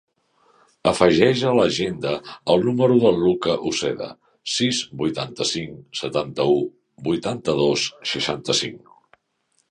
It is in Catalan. Afegeix a l'agenda el número del Lucca Uceda: sis, vuitanta-cinc, setanta-u, vuitanta-dos, seixanta-cinc.